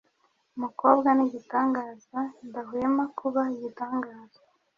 umukobwa ni igitangaza kidahwema kuba igitangaza